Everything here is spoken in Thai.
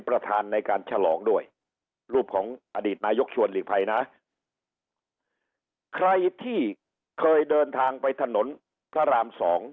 ประธานในการฉลองด้วยรูปของอดีตนายกชวนหลีกภัยนะใครที่เคยเดินทางไปถนนพระราม๒